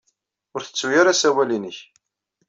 Ur ttettu ara asawal-nnek.